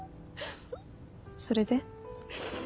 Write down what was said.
それで？